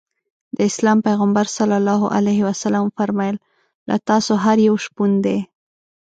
د اسلام پیغمبر ص وفرمایل له تاسو هر یو شپون دی.